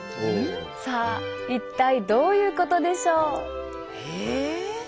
さあ一体どういうことでしょう。